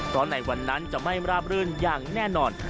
เพราะในวันนั้นจะไม่ราบรื่นอย่างแน่นอน